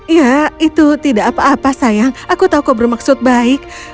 ya itu tidak apa apa sayang aku tahu kau bermaksud baik